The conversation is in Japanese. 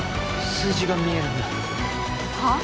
数字が見えるんだはっ？